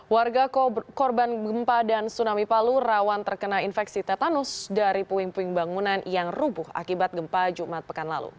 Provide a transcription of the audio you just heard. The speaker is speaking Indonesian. warga korban gempa dan tsunami palu rawan terkena infeksi tetanus dari puing puing bangunan yang rubuh akibat gempa jumat pekan lalu